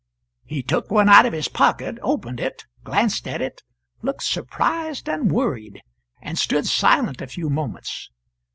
He took one out of his pocket, opened it, glanced at it, looked surprised and worried, and stood silent a few moments.